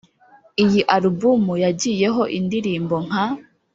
Iyi album yagiyeho indirimbo nka